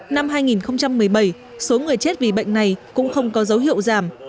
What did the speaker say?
năm hai nghìn một mươi bảy số người chết vì bệnh này cũng không có dấu hiệu giảm